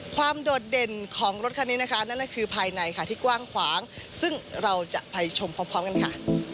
โดดเด่นของรถคันนี้นะคะนั่นก็คือภายในค่ะที่กว้างขวางซึ่งเราจะไปชมพร้อมกันค่ะ